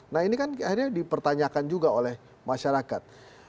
nah ini kan akhirnya dipertanyakan juga oleh masyarakat